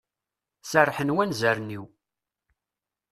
Serrḥen wanzaren-iw.